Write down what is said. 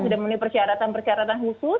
sudah memenuhi persyaratan persyaratan khusus